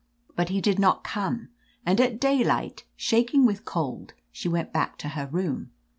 But he did not come, and at daylight, shaking with cold, she went back to her room.